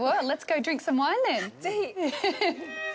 ぜひ！